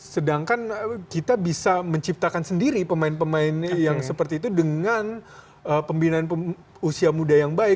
sedangkan kita bisa menciptakan sendiri pemain pemain yang seperti itu dengan pembinaan usia muda yang baik